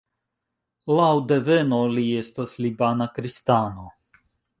Laŭ deveno li estas libana kristano.